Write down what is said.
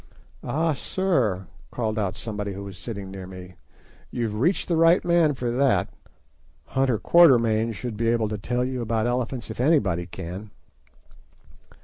"Ah, sir," called out somebody who was sitting near me, "you've reached the right man for that; Hunter Quatermain should be able to tell you about elephants if anybody can."